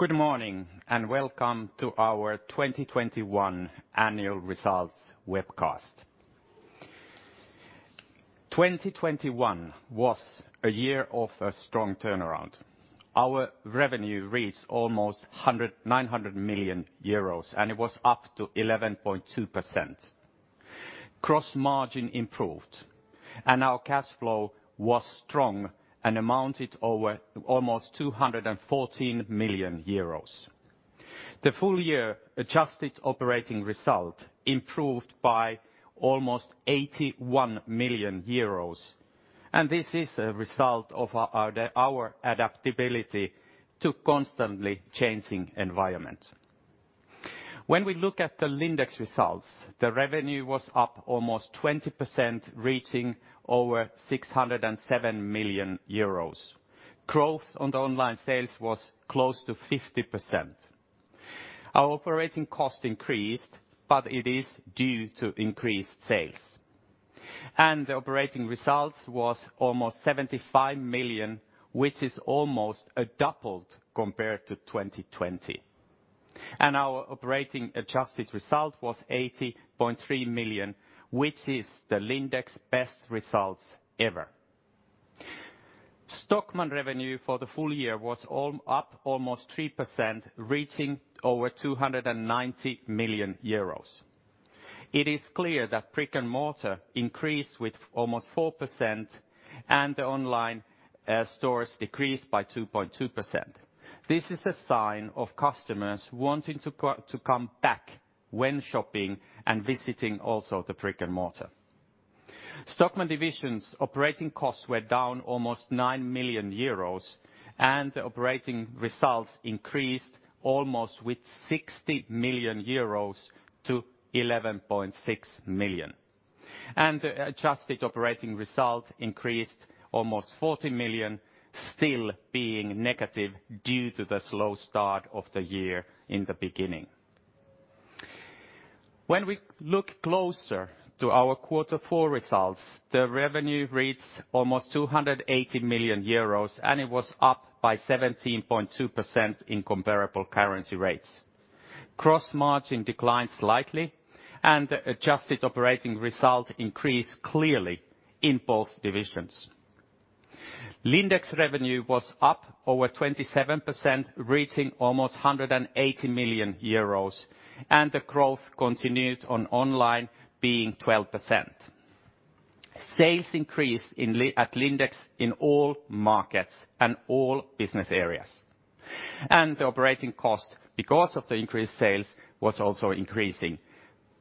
Good morning, and welcome to our 2021 annual results webcast. 2021 was a year of a strong turnaround. Our revenue reached almost 900 million euros, and it was up 11.2%. Gross margin improved, and our cash flow was strong and amounted to almost 214 million euros. The full year adjusted operating result improved by almost 81 million euros, and this is a result of our adaptability to constantly changing environment. When we look at the Lindex results, the revenue was up almost 20%, reaching over 607 million euros. Growth on the online sales was close to 50%. Our operating cost increased, but it is due to increased sales. The operating results was almost 75 million, which is almost doubled compared to 2020. Our operating adjusted result was 80.3 million, which is the Lindex best results ever. Stockmann revenue for the full year was up almost 3%, reaching over 290 million euros. It is clear that brick and mortar increased with almost 4% and the online stores decreased by 2.2%. This is a sign of customers wanting to come back when shopping and visiting also the brick and mortar. Stockmann division's operating costs were down almost 9 million euros, and the operating results increased almost with 60 million euros to 11.6 million. The adjusted operating result increased almost 40 million, still being negative due to the slow start of the year in the beginning. When we look closer to our quarter four results, the revenue reached almost 280 million euros, and it was up by 17.2% in comparable currency rates. Gross margin declined slightly, and adjusted operating result increased clearly in both divisions. Lindex revenue was up over 27%, reaching almost 180 million euros, and the growth continued on online being 12%. Sales increased in Lindex in all markets and all business areas. The operating cost, because of the increased sales, was also increasing,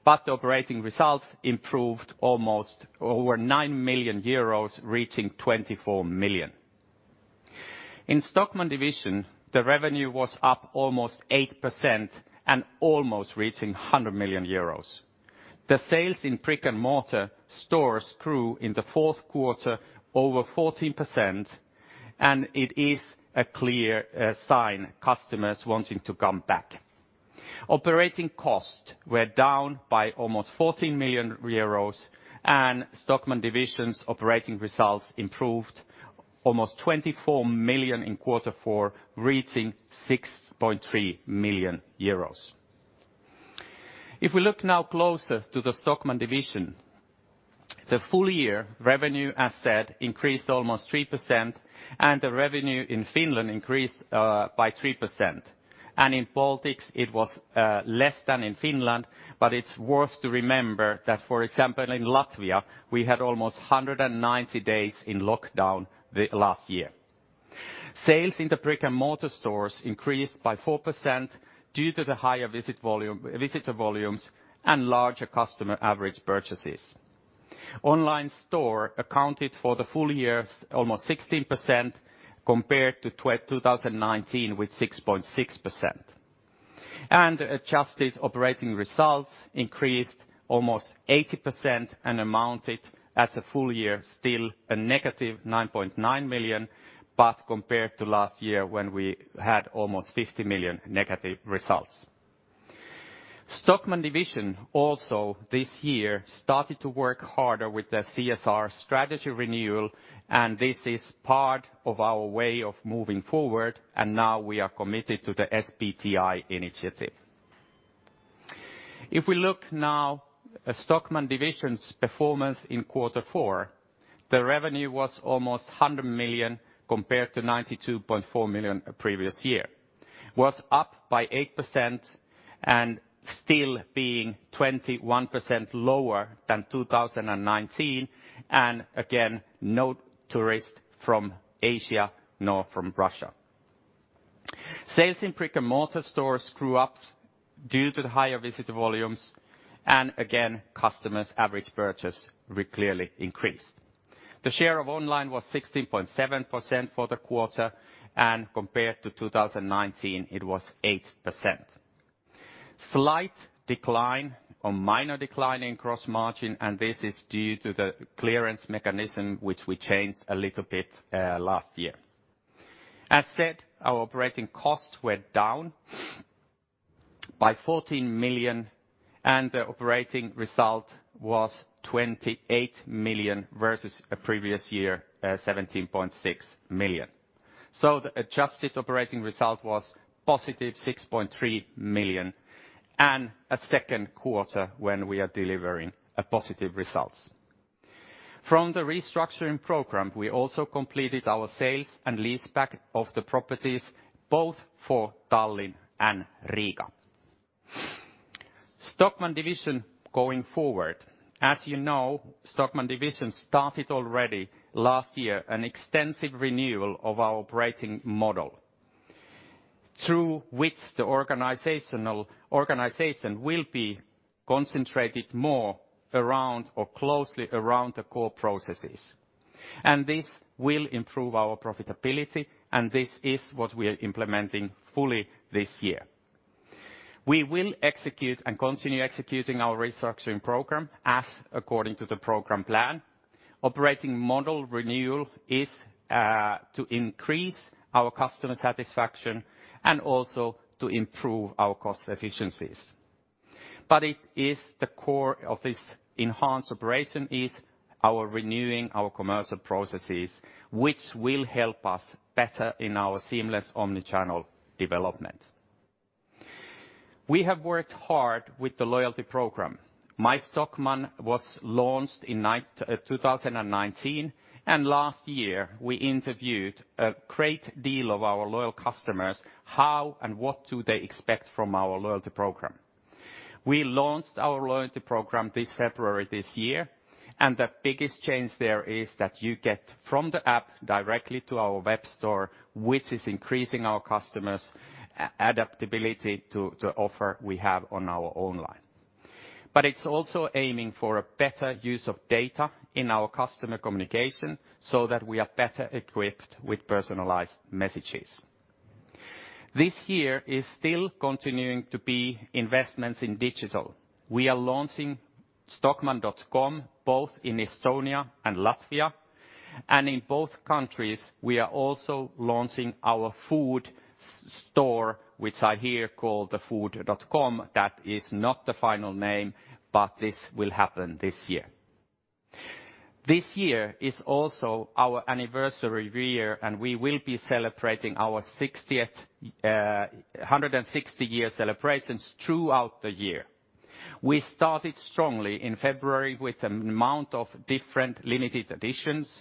but the operating results improved almost over 9 million euros, reaching 24 million. In Stockmann division, the revenue was up almost 8% and almost reaching 100 million euros. The sales in brick and mortar stores grew in the fourth quarter over 14%, and it is a clear sign customers wanting to come back. Operating costs were down by almost 14 million euros, and Stockmann Division's operating results improved almost 24 million in quarter four, reaching 6.3 million euros. If we look now closer to the Stockmann Division, the full year revenue, as said, increased almost 3%, and the revenue in Finland increased by 3%. In Baltics, it was less than in Finland, but it's worth to remember that, for example, in Latvia, we had almost 190 days in lockdown the last year. Sales in the brick and mortar stores increased by 4% due to the higher visitor volumes and larger customer average purchases. Online store accounted for the full year's almost 16% compared to 2019 with 6.6%. Adjusted operating results increased almost 80% and amounted, as a full year, still a -9.9 million, but compared to last year when we had almost 50 million negative results. Stockmann Division also this year started to work harder with the CSR strategy renewal, and this is part of our way of moving forward, and now we are committed to the SBTi initiative. If we look now at Stockmann Division's performance in quarter four, the revenue was almost 100 million compared to 92.4 million previous year. It was up by 8% and still being 21% lower than 2019, and again, no tourists from Asia nor from Russia. Sales in brick and mortar stores grew due to the higher visitor volumes, and again, customers' average purchase clearly increased. The share of online was 16.7% for the quarter, and compared to 2019, it was 8%. Slight decline or minor decline in gross margin, and this is due to the clearance mechanism which we changed a little bit last year. As said, our operating costs went down by 14 million, and the operating result was 28 million versus a previous year, 17.6 million. The adjusted operating result was positive 6.3 million, and a second quarter when we are delivering a positive results. From the restructuring program, we also completed our sales and leaseback of the properties, both for Tallinn and Riga. Stockmann Division going forward. As you know, Stockmann Division started already last year an extensive renewal of our operating model through which the organization will be concentrated more around or closely around the core processes. This will improve our profitability, and this is what we are implementing fully this year. We will execute and continue executing our restructuring program as according to the program plan. Operating model renewal is to increase our customer satisfaction and also to improve our cost efficiencies. It is the core of this enhanced operation, renewing our commercial processes, which will help us better in our seamless Omni-channel development. We have worked hard with the loyalty program. MyStockmann was launched in 2019, and last year we interviewed a great deal of our loyal customers how and what do they expect from our loyalty program. We launched our loyalty program this February this year, and the biggest change there is that you get from the app directly to our web store, which is increasing our customers' adaptability to the offer we have on our online. It's also aiming for a better use of data in our customer communication so that we are better equipped with personalized messages. This year is still continuing to be investments in digital. We are launching stockmann.com, both in Estonia and Latvia. In both countries, we are also launching our food store, which I hear called the food.com. That is not the final name, but this will happen this year. This year is also our anniversary year, and we will be celebrating our 160-year celebrations throughout the year. We started strongly in February with an amount of different limited editions,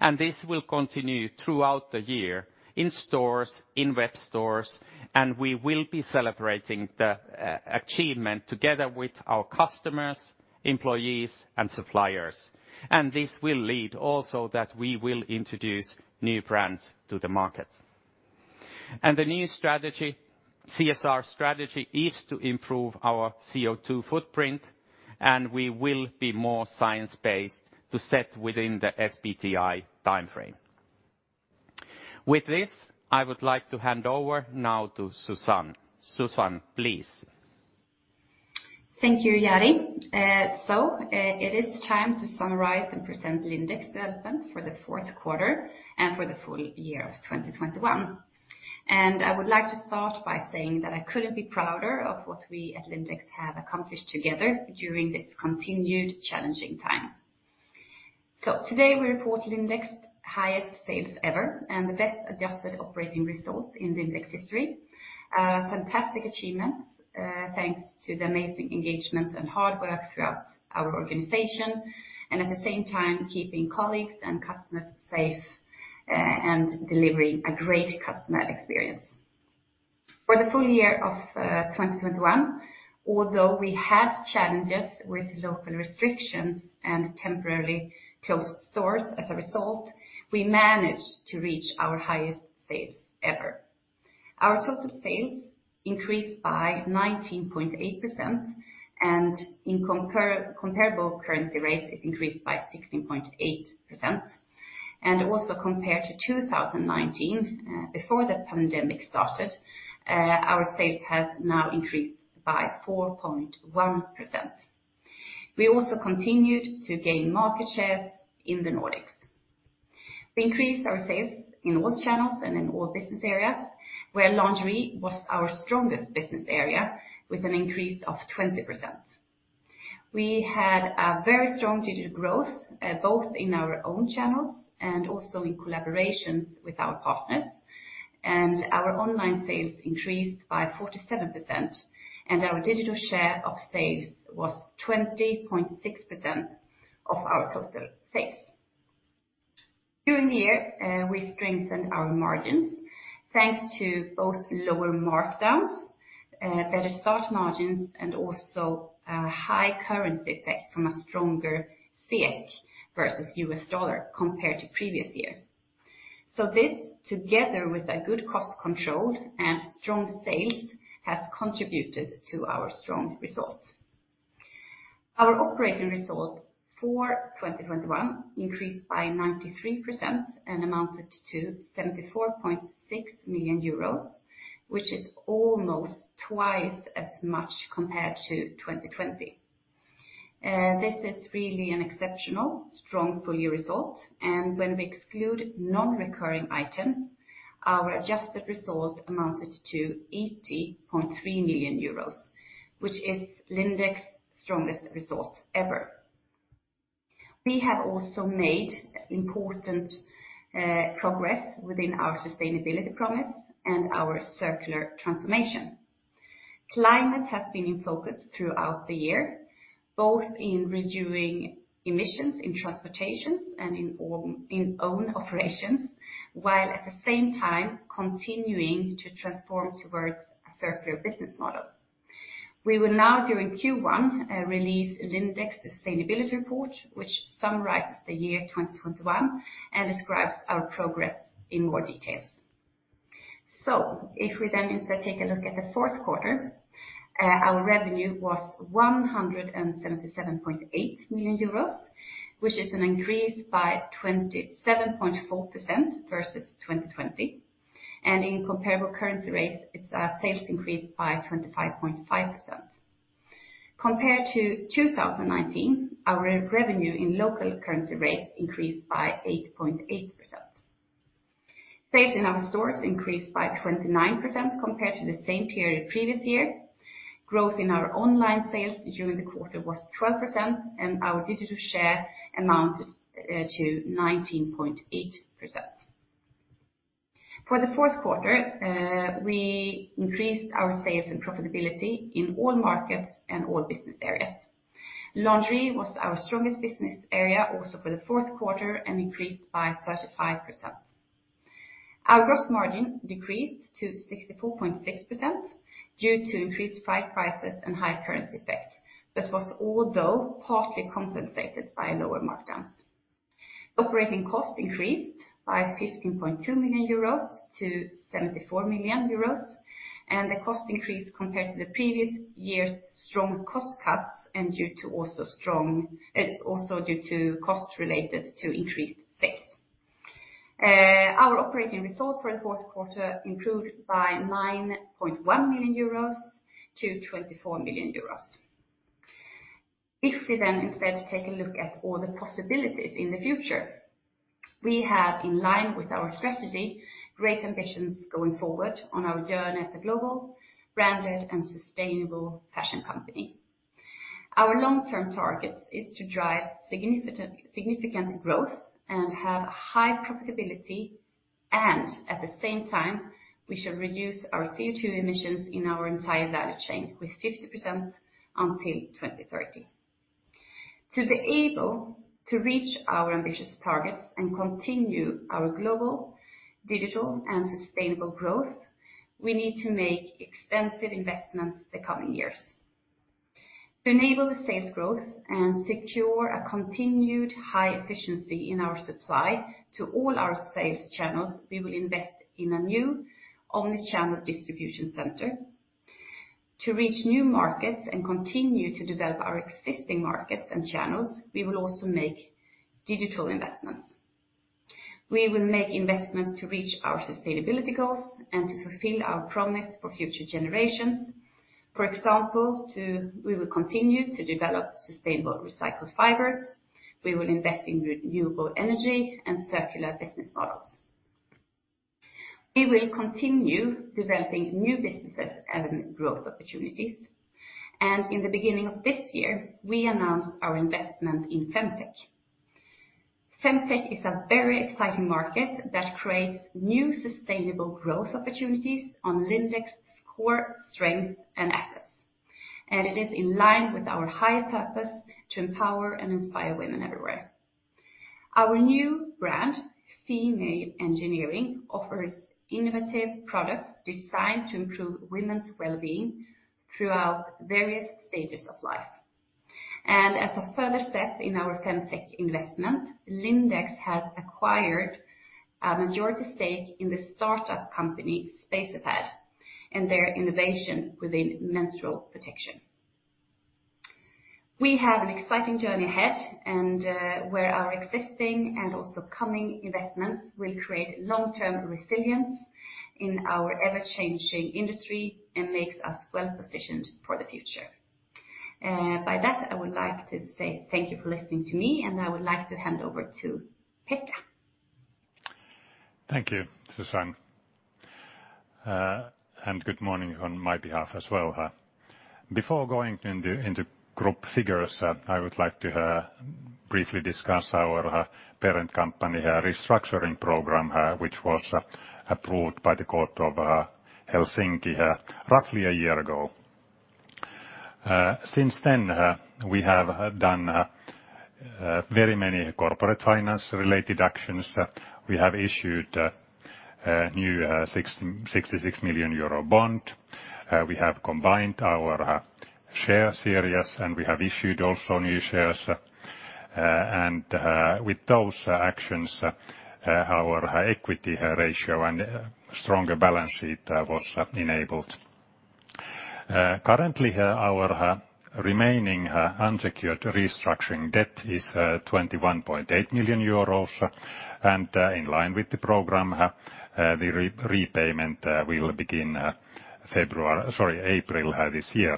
and this will continue throughout the year in stores, in web stores, and we will be celebrating the achievement together with our customers, employees, and suppliers. This will lead also that we will introduce new brands to the market. The new strategy, CSR strategy, is to improve our CO2 footprint, and we will be more science-based to set within the SBTi timeframe. With this, I would like to hand over now to Susanne. Susanne, please. Thank you, Jari. It is time to summarize and present Lindex development for the fourth quarter and for the full year of 2021. I would like to start by saying that I couldn't be prouder of what we at Lindex have accomplished together during this continued challenging time. Today, we report Lindex highest sales ever and the best adjusted operating results in Lindex history. Fantastic achievements, thanks to the amazing engagement and hard work throughout our organization and at the same time keeping colleagues and customers safe, and delivering a great customer experience. For the full year of 2021, although we had challenges with local restrictions and temporarily closed stores as a result, we managed to reach our highest sales ever. Our total sales increased by 19.8%, and in comparable currency rates, it increased by 16.8%. Also compared to 2019, before the pandemic started, our sales has now increased by 4.1%. We also continued to gain market shares in the Nordics. We increased our sales in all channels and in all business areas, where lingerie was our strongest business area with an increase of 20%. We had a very strong digital growth, both in our own channels and also in collaboration with our partners. Our online sales increased by 47%, and our digital share of sales was 20.6% of our total sales. During the year, we strengthened our margins thanks to both lower markdowns, better gross margins, and also, high currency effect from a stronger SEK versus U.S. dollar compared to previous year. This, together with a good cost control and strong sales, has contributed to our strong results. Our operating results for 2021 increased by 93% and amounted to 74.6 million euros, which is almost twice as much compared to 2020. This is really an exceptionally strong full year result. When we exclude non-recurring items, our adjusted result amounted to 80.3 million euros, which is Lindex's strongest result ever. We have also made important progress within our sustainability promise and our circular transformation. Climate has been in focus throughout the year, both in reducing emissions in transportation and in own operations, while at the same time continuing to transform towards a circular business model. We will now during Q1 release Lindex Sustainability Report, which summarizes the year 2021 and describes our progress in more details. If we then instead take a look at the fourth quarter, our revenue was 177.8 million euros, which is an increase by 27.4% versus 2020. In comparable currency rates, its sales increased by 25.5%. Compared to 2019, our revenue in local currency rates increased by 8.8%. Sales in our stores increased by 29% compared to the same period previous year. Growth in our online sales during the quarter was 12%, and our digital share amounted to 19.8%. For the fourth quarter, we increased our sales and profitability in all markets and all business areas. Lingerie was our strongest business area also for the fourth quarter and increased by 35%. Our gross margin decreased to 64.6% due to increased fabric prices and high currency effect. That was although partly compensated by lower markdowns. Operating costs increased by 15.2 million euros to 74 million euros, and the cost increased compared to the previous year's strong cost cuts, and also due to costs related to increased sales. Our operating results for the fourth quarter improved by 9.1 million euros to 24 million euros. If we then instead take a look at all the possibilities in the future, we have, in line with our strategy, great ambitions going forward on our journey as a global, branded, and sustainable fashion company. Our long-term targets is to drive significant growth and have high profitability, and at the same time, we shall reduce our CO2 emissions in our entire value chain with 50% until 2030. To be able to reach our ambitious targets and continue our global, digital, and sustainable growth, we need to make extensive investments the coming years. To enable the sales growth and secure a continued high efficiency in our supply to all our sales channels, we will invest in a new omni-channel distribution center. To reach new markets and continue to develop our existing markets and channels, we will also make digital investments. We will make investments to reach our sustainability goals and to fulfill our promise for future generations. For example, we will continue to develop sustainable recycled fibers. We will invest in renewable energy and circular business models. We will continue developing new businesses and growth opportunities, and in the beginning of this year, we announced our investment in femtech. Femtech is a very exciting market that creates new sustainable growth opportunities on Lindex core strength and assets, and it is in line with our higher purpose to empower and inspire women everywhere. Our new brand, Female Engineering, offers innovative products designed to improve women's wellbeing throughout various stages of life. As a further step in our femtech investment, Lindex has acquired a majority stake in the startup company, Spacerpad, and their innovation within menstrual protection. We have an exciting journey ahead and where our existing and also coming investments will create long-term resilience in our ever-changing industry and makes us well-positioned for the future. By that, I would like to say thank you for listening to me, and I would like to hand over to Pekka. Thank you, Susanne. Good morning on my behalf as well. Before going into group figures, I would like to briefly discuss our parent company restructuring program, which was approved by the court of Helsinki roughly a year ago. Since then we have done very many corporate finance related actions. We have issued a new 66 million euro bond. We have combined our share series, and we have issued also new shares. With those actions our equity ratio and stronger balance sheet was enabled. Currently, our remaining unsecured restructuring debt is 21.8 million euros. In line with the program, the repayment will begin February, sorry, April, this year.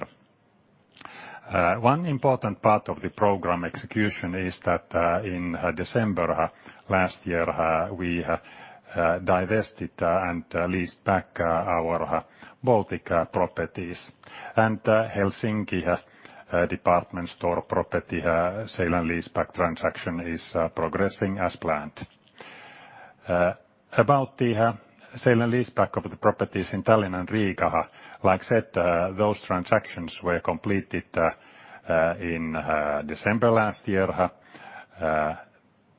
One important part of the program execution is that, in December last year, we divested and leased back our Baltic properties. Helsinki department store property sale and leaseback transaction is progressing as planned. About the sale and leaseback of the properties in Tallinn and Riga. Like I said, those transactions were completed in December last year.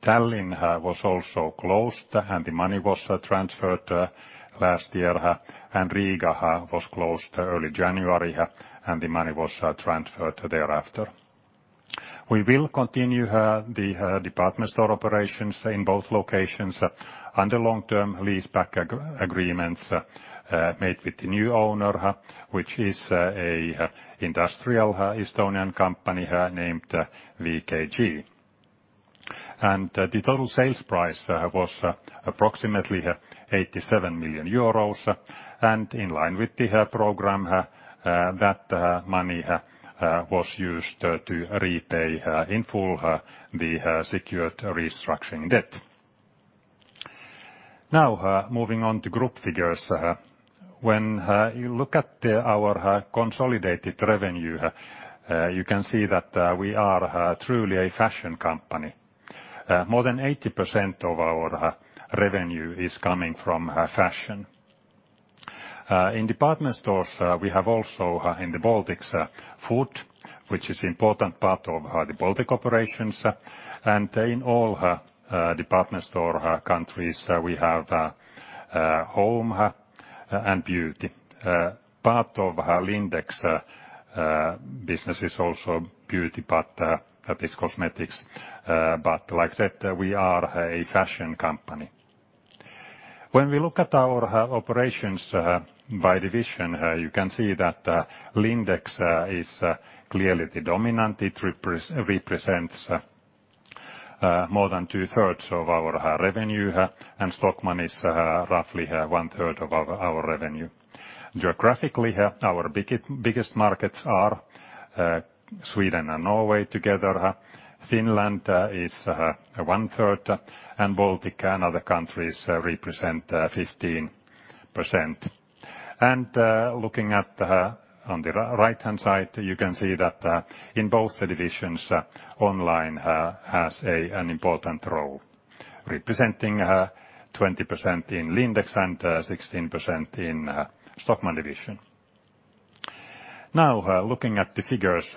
Tallinn was also closed, and the money was transferred last year. Riga was closed early January, and the money was transferred thereafter. We will continue the department store operations in both locations under long-term leaseback agreements made with the new owner, which is an industrial Estonian company named VKG. The total sales price was approximately 87 million euros. In line with the program, that money was used to repay in full the secured restructuring debt. Now, moving on to group figures. When you look at our consolidated revenue, you can see that we are truly a fashion company. More than 80% of our revenue is coming from fashion. In department stores, we have also in the Baltics food, which is important part of the Baltic operations. In all department store countries, we have home and beauty. Part of Lindex business is also beauty part, that is cosmetics. Like I said, we are a fashion company. When we look at our operations by division, you can see that Lindex is clearly the dominant. It represents more than 2/3 of our revenue, and Stockmann is roughly 1/3 of our revenue. Geographically, our biggest markets are Sweden and Norway together. Finland is 1/3, and Baltic and other countries represent 15%. Looking at on the right-hand side, you can see that in both the divisions, online has an important role, representing 20% in Lindex and 16% in Stockmann Division. Now, looking at the figures,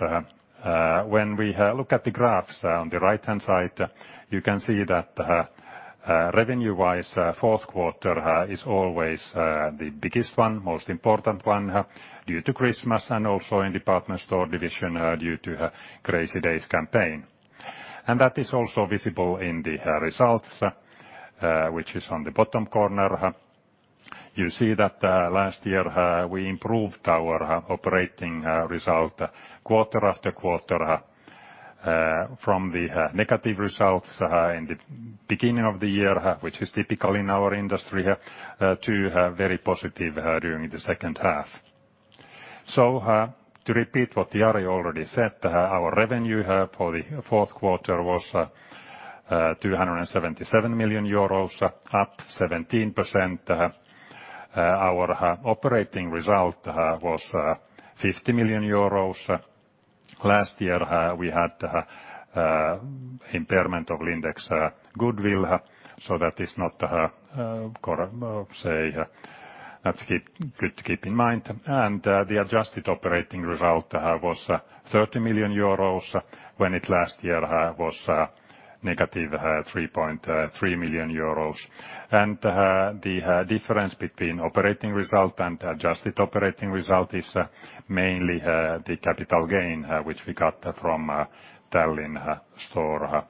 when we look at the graphs on the right-hand side, you can see that, revenue-wise, fourth quarter is always the biggest one, most important one, due to Christmas and also in department store division, due to Crazy Days campaign. That is also visible in the results, which is on the bottom corner. You see that, last year, we improved our operating result quarter after quarter, from the negative results in the beginning of the year, which is typical in our industry, to very positive during the second half. To repeat what Jari already said, our revenue for the fourth quarter was 277 million euros, up 17%. Our operating result was 50 million euros. Last year, we had impairment of Lindex goodwill, so that is not, that's good to keep in mind. The adjusted operating result was 30 million euros, when it last year was -3.3 million euros. The difference between operating result and adjusted operating result is mainly the capital gain which we got from Tallinn store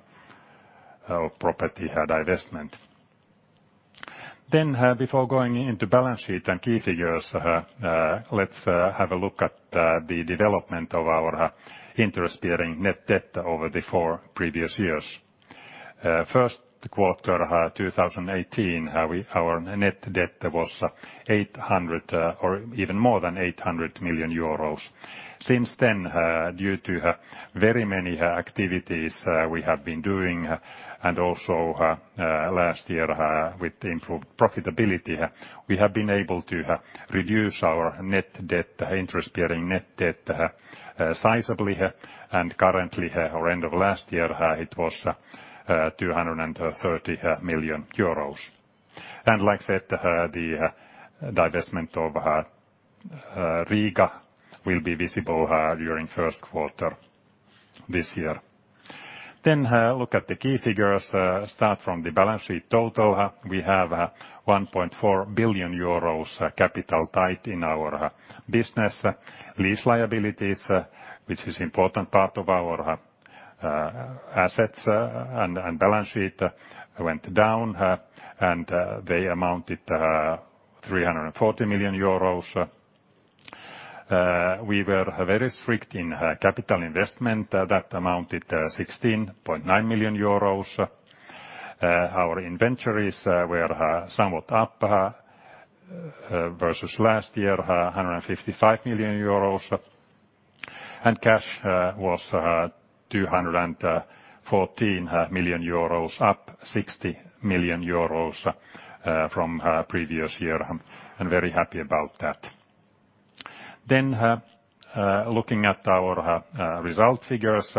property divestment. Before going into balance sheet and key figures, let's have a look at the development of our interest-bearing net debt over the four previous years. First quarter 2018, our net debt was 800 or even more than 800 million euros. Since then, due to very many activities we have been doing, and also last year with improved profitability, we have been able to reduce our net debt, interest-bearing net debt, sizably. Currently, or end of last year, it was 230 million euros. Like I said, the divestment of Riga will be visible during first quarter this year. Look at the key figures. Start from the balance sheet total. We have 1.4 billion euros capital tied in our business. Lease liabilities, which is important part of our assets and balance sheet, went down, and they amounted to 340 million euros. We were very strict in capital investment. That amounted 16.9 million euros. Our inventories were somewhat up versus last year, 155 million euros. Cash was 214 million euros, up 60 million euros from previous year. I'm very happy about that. Looking at our result figures.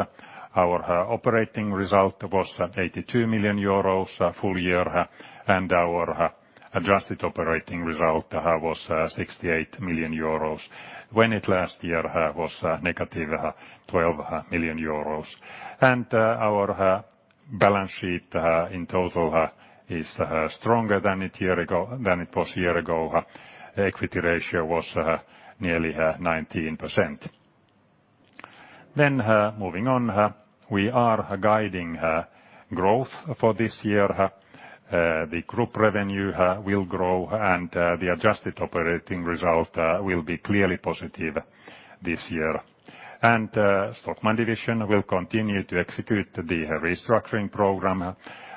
Our operating result was at 82 million euros full year, and our adjusted operating result was 68 million euros, whereas last year was negative 12 million euros. Our balance sheet in total is stronger than it was a year ago. Equity ratio was nearly 19%. Moving on, we are guiding growth for this year. The group revenue will grow and the adjusted operating result will be clearly positive this year. Stockmann Division will continue to execute the restructuring program.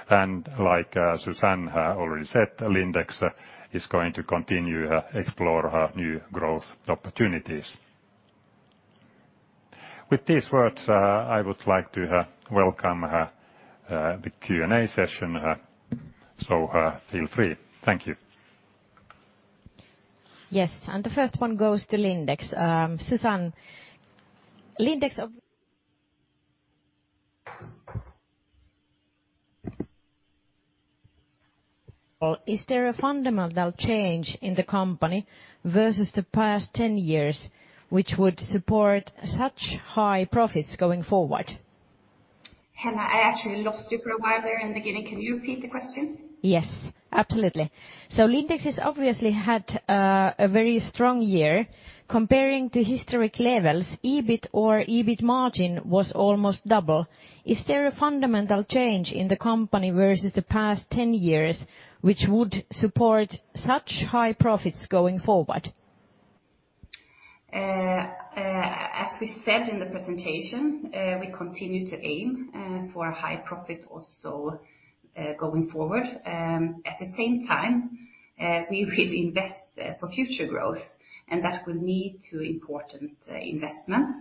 Like Susanne already said, Lindex is going to continue explore new growth opportunities. With these words, I would like to welcome the Q&A session. Feel free. Thank you. Yes. The first one goes to Lindex. Susanne, Lindex, is there a fundamental change in the company versus the past 10 years which would support such high profits going forward? Hanna, I actually lost you for a while there in the beginning. Can you repeat the question? Yes. Absolutely. Lindex has obviously had a very strong year. Comparing to historic levels, EBIT or EBIT margin was almost double. Is there a fundamental change in the company versus the past 10 years which would support such high profits going forward? As we said in the presentation, we continue to aim for a high profit also, going forward. At the same time, we will invest for future growth, and that will need two important investments.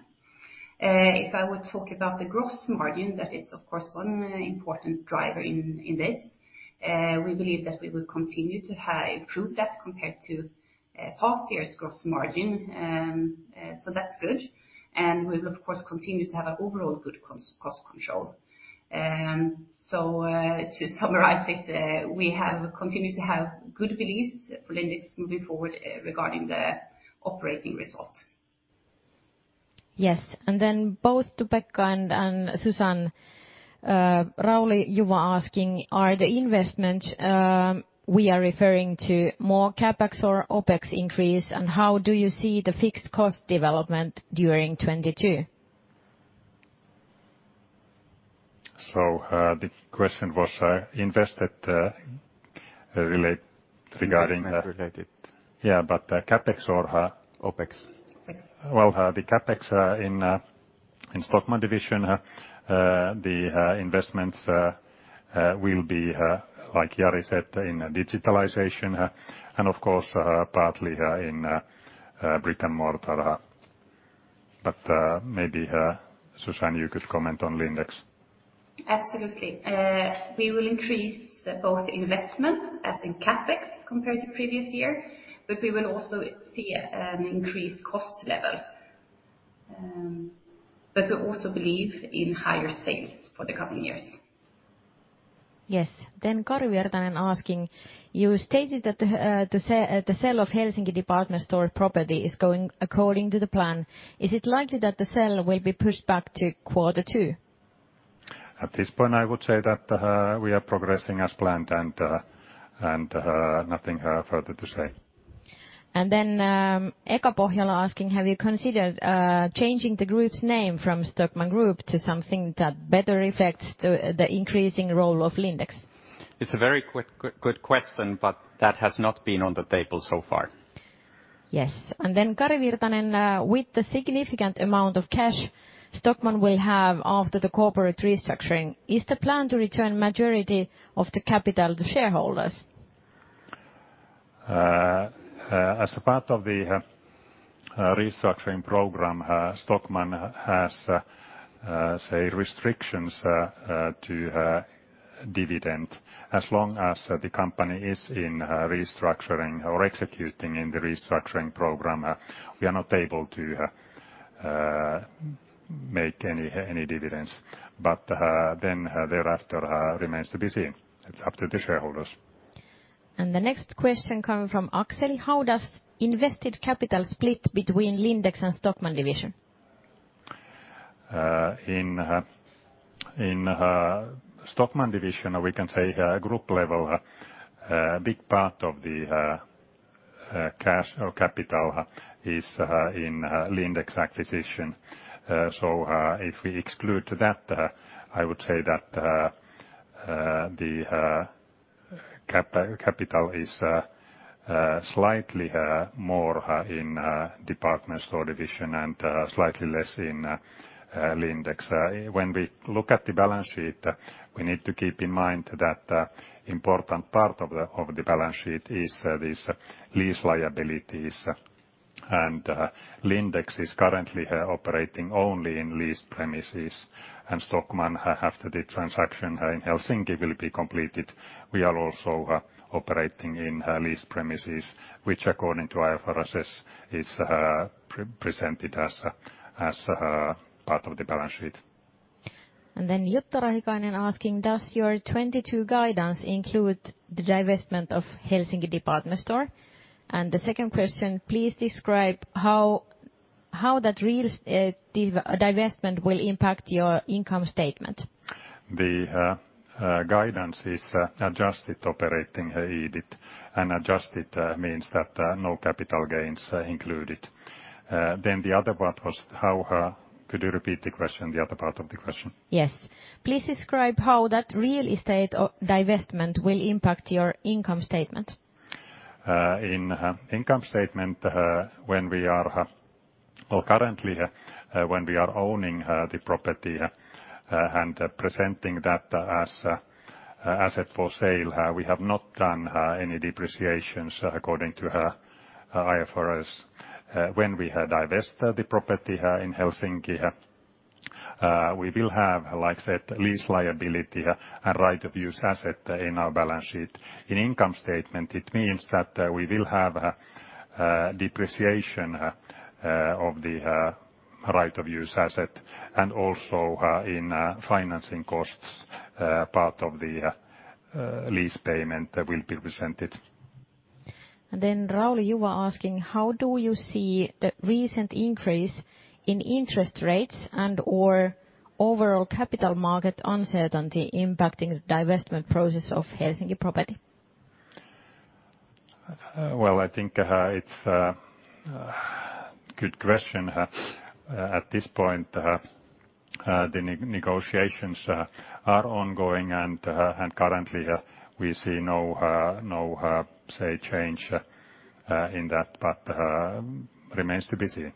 If I would talk about the gross margin, that is of course one important driver in this. We believe that we will continue to improve that compared to past year's gross margin. That's good. We will of course continue to have an overall good cost control. To summarize it, we have continued to have good beliefs for Lindex moving forward, regarding the operating result. Yes. Both to Pekka and Susanne, Rauli you are asking, are the investments we are referring to more CapEx or OpEx increase, and how do you see the fixed cost development during 2022? The question was regarding Investment related. Yeah, CapEx or OpEx? Well, the CapEx in Stockmann Division, the investments will be like Jari said, in digitalization and of course partly in brick and mortar. Maybe Susanne, you could comment on Lindex. Absolutely. We will increase both investments as in CapEx compared to previous year, but we will also see increased cost level. We also believe in higher sales for the coming years. Yes. Kari Virtanen asking, you stated that the sale of Helsinki department store property is going according to the plan. Is it likely that the sale will be pushed back to quarter two? At this point, I would say that we are progressing as planned and nothing further to say. Eka Pohjola asking, have you considered changing the group's name from Stockmann Group to something that better reflects the increasing role of Lindex? It's a very quick, good question, but that has not been on the table so far. Yes. Kari Virtanen, with the significant amount of cash Stockmann will have after the corporate restructuring, is the plan to return the majority of the capital to shareholders? As part of the restructuring program, Stockmann has restrictions to dividend. As long as the company is in restructuring or executing in the restructuring program, we are not able to make any dividends. Thereafter remains to be seen. It's up to the shareholders. The next question coming from Axel, how does invested capital split between Lindex and Stockmann Division? In Stockmann Division, we can say group level a big part of the cash or CapEx is in Lindex acquisition. If we exclude that, I would say that the CapEx is slightly more in Stockmann Division and slightly less in Lindex. When we look at the balance sheet, we need to keep in mind that an important part of the balance sheet is this lease liabilities. Lindex is currently operating only in lease premises, and Stockmann after the transaction in Helsinki will be completed, we are also operating in lease premises. Which according to IFRS is presented as part of the balance sheet. Jutta Rahikainen asking, "Does your 2022 guidance include the divestment of Helsinki department store?" The second question: "Please describe how that real estate divestment will impact your income statement. The guidance is adjusted operating EBIT. Adjusted means that no capital gains are included. Could you repeat the question, the other part of the question? Yes. Please describe how that real estate divestment will impact your income statement? In income statement, when we are owning the property and presenting that as an asset for sale, we have not done any depreciations according to IFRS. When we have divested the property in Helsinki, we will have, like I said, lease liability and right of use asset in our balance sheet. In income statement, it means that we will have depreciation of the right of use asset, and also in financing costs, part of the lease payment will be presented. Rauli Juva asking, "How do you see the recent increase in interest rates and/or overall capital market uncertainty impacting the divestment process of Helsinki property? Well, I think it's good question. At this point, the negotiations are ongoing and currently we see no change in that, but it remains to be seen.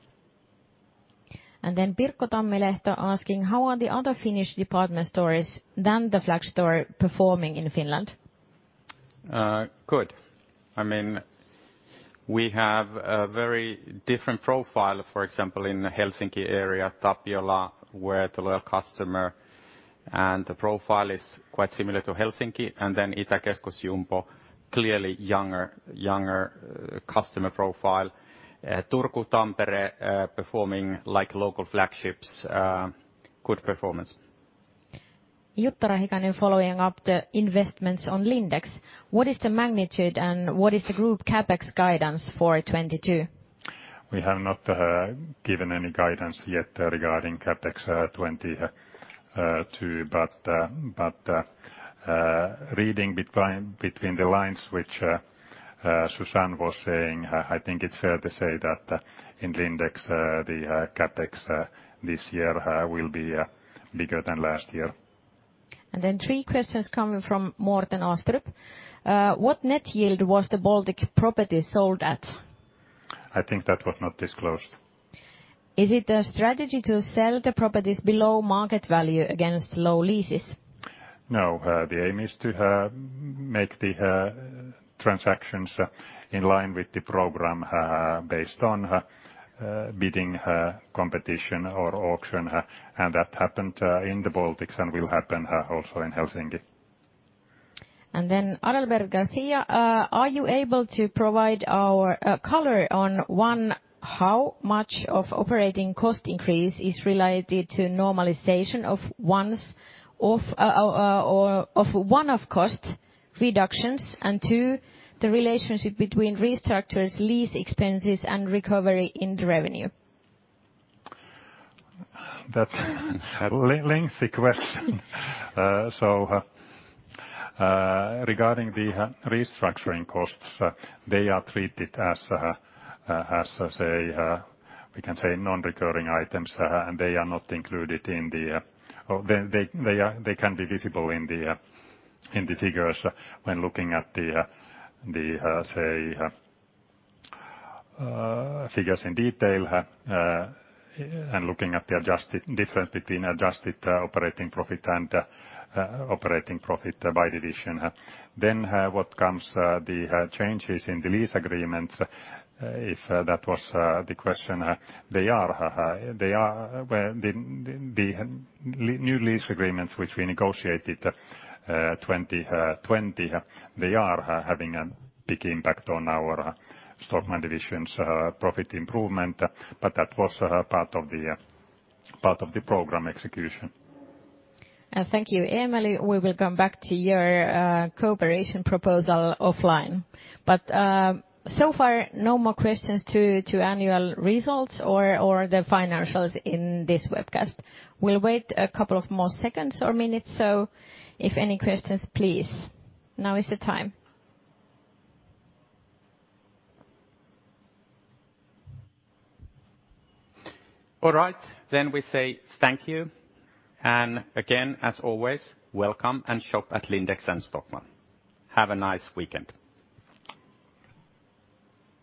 Pirkko Tammilehto asking, "How are the other Finnish department stores than the flagship store performing in Finland? Good. I mean, we have a very different profile, for example, in Helsinki area, Tapiola, where the loyal customer, and the profile is quite similar to Helsinki. Itäkeskus Jumbo, clearly younger customer profile. Turku, Tampere, performing like local flagships, good performance. Jutta Rahikainen following up the investments on Lindex. What is the magnitude, and what is the group CapEx guidance for 2022? We have not given any guidance yet regarding CapEx 2020-2022. Reading between the lines, which Susanne was saying, I think it's fair to say that in Lindex the CapEx this year will be bigger than last year. Three questions coming from Morten Astrup. What net yield was the Baltic property sold at? I think that was not disclosed. Is it the strategy to sell the properties below market value against low leases? No. The aim is to make the transactions in line with the program based on bidding, competition or auction. That happened in the Baltics and will happen also in Helsinki. Adelbert Garcia, "Are you able to provide our color on one, how much of operating cost increase is related to normalization of one-off cost reductions, and two, the relationship between restructures, lease expenses, and recovery in the revenue? That's a lengthy question. Regarding the restructuring costs, they are treated as non-recurring items, we can say. They are not included in the figures or they can be visible in the figures when looking at the figures in detail and looking at the difference between adjusted operating profit and operating profit by division. What comes to the changes in the lease agreements, if that was the question, they are well the new lease agreements, which we negotiated in 2020. They are having a big impact on our Stockmann Division's profit improvement. That was part of the program execution. Thank you. Emily, we will come back to your cooperation proposal offline. So far, no more questions to annual results or the financials in this webcast. We'll wait a couple of more seconds or minutes, so if any questions, please, now is the time. All right. We say thank you. Again, as always, welcome and shop at Lindex and Stockmann. Have a nice weekend.